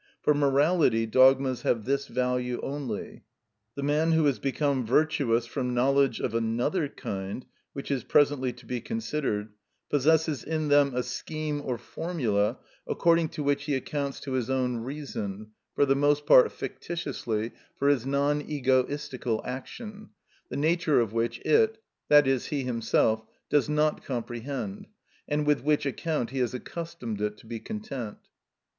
For morality dogmas have this value only: The man who has become virtuous from knowledge of another kind, which is presently to be considered, possesses in them a scheme or formula according to which he accounts to his own reason, for the most part fictitiously, for his non egoistical action, the nature of which it, i.e., he himself, does not comprehend, and with which account he has accustomed it to be content.